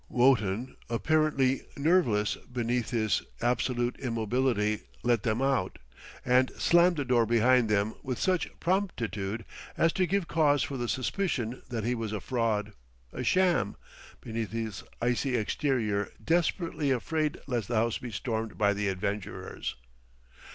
Wotton, apparently nerveless beneath his absolute immobility, let them out and slammed the door behind them with such promptitude as to give cause for the suspicion that he was a fraud, a sham, beneath his icy exterior desperately afraid lest the house be stormed by the adventurers.